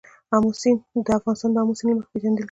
افغانستان د آمو سیند له مخې پېژندل کېږي.